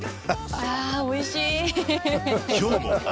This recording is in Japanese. あおいしい。